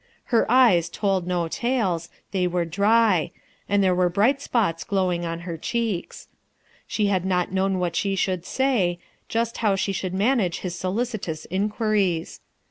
Her eyes told no tales, they were dry, and there were bright spots glowing on her cheeks. She ha*l not known what she should say, just how she should manage his solicitous inquiries.